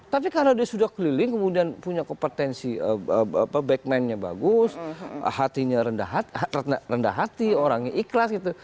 tapi karena dia sudah keliling kemudian punya kompetensi backman nya bagus hatinya rendah hati orangnya ikhlas gitu